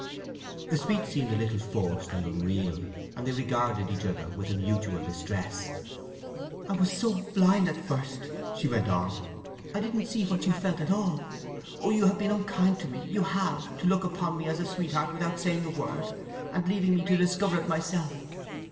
The speech seemed a little forced and unreal, and they regarded each other with a mutual distress. "I was so blind at first!" she went on. "I didn't see what you felt at all. Oh, you have been unkind to me—you have—to look upon me as a sweetheart without saying a word, and leaving me to discover it myself!